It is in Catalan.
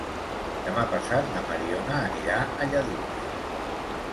Demà passat na Mariona anirà a Lladurs.